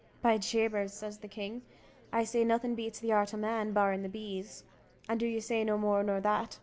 "By Jabers," says the king, "I say nothing beats the art o' man, barring the bees." "And do you say no more nor that?"